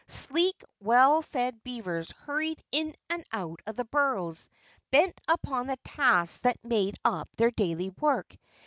Sleek, well fed beavers hurried in and out of the burrows, bent upon the tasks that made up their daily work.